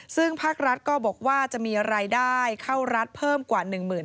ซึ่งภาครัฐก็บอกว่าจะมีรายได้เข้ารัฐเพิ่มกว่า๑หมื่น